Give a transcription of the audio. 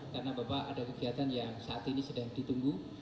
karena bapak ada kegiatan yang saat ini sedang ditunggu